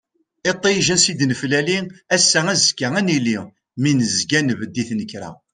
Iṭij ansa i d-neflali, ass-a azekka ad nili, mi nezga nbedd i tnekra.